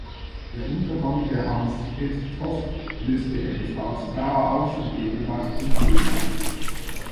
Der Untergang der "Hans Hedtoft" löste eine Staatstrauer aus in Dänemark und Grönland.